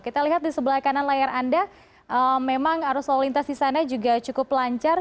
kita lihat di sebelah kanan layar anda memang arus lalu lintas di sana juga cukup lancar